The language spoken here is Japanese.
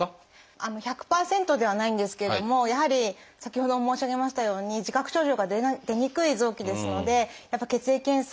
１００％ではないんですけれどもやはり先ほども申し上げましたように自覚症状が出にくい臓器ですのでやっぱり血液検査